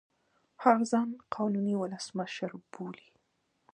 هغه ځان قانوني اولسمشر بولي.